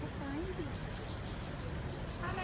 ห้าม่าย่างน่ะ